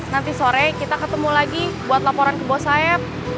nanti sore kita ketemu lagi buat laporan ke bos saya